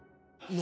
何？